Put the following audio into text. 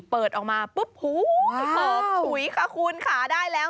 เปิดออกมาปุ๊บหอมฉุยค่ะคุณค่ะได้แล้ว